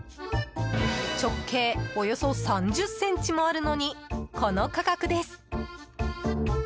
直径およそ３０ｃｍもあるのにこの価格です。